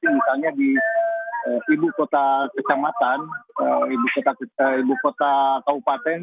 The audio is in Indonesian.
misalnya di ibu kota kecamatan ibu kota kabupaten